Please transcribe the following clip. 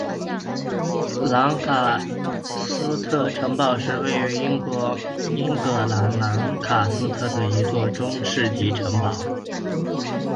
兰卡斯特城堡是位于英国英格兰兰卡斯特的一座中世纪城堡。